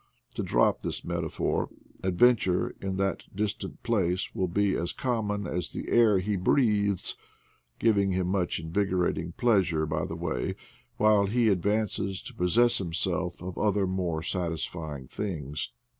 To drop this meta phor, adventure in that distant place will be as common as the air he breathes, giving him much invigorating pleasure by the way, while he ad vances to possess himself of other more satisfying things.